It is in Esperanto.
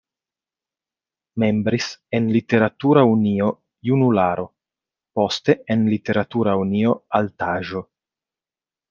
Membris en Literatura Unio "Junularo", poste en Literatura unio "Altaĵo".